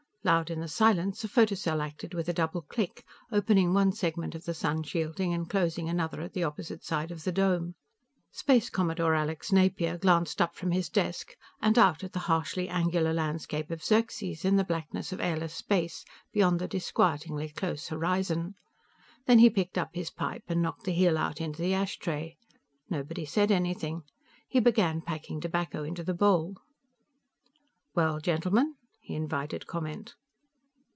Loud in the silence, a photocell acted with a double click, opening one segment of the sun shielding and closing another at the opposite side of the dome. Space Commodore Alex Napier glanced up from his desk and out at the harshly angular landscape of Xerxes and the blackness of airless space beyond the disquietingly close horizon. Then he picked up his pipe and knocked the heel out into the ashtray. Nobody said anything. He began packing tobacco into the bowl. "Well, gentlemen?" He invited comment.